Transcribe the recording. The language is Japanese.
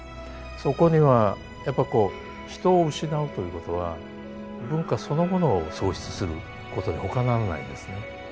そこにはやっぱこう人を失うということは文化そのものを喪失することにほかならないんですね。